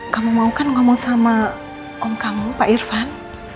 kamu mau kan ngomong sama kong kamu pak irfan